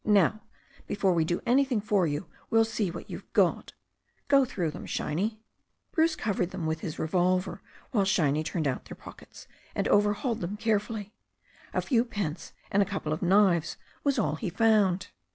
Now, before we do anything for you we'll see what you've got. Go through them. Shiny." Bruce covered them with his revolver while Shiny turned out their pockets, and overhauled them carefully. A few pence and a couple of knives was all he found.